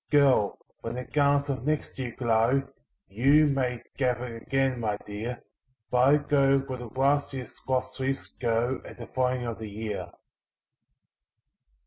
Girl! when the garlands of next year glow, YOU may gather again, my dear But I go where the last year's lost leaves go At the falling of the year."